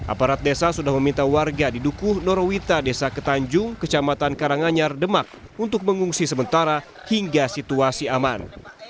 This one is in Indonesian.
aparat desa sudah meminta warga di dukuh norowita desa ketanjung kecamatan karanganyar demak untuk mengungsi sementara hingga situasi aman